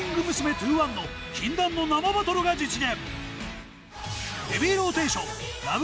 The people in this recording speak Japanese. ２１の禁断の生バトルが実現。